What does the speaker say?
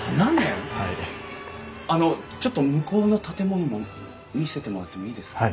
あのちょっと向こうの建物も見せてもらってもいいですか？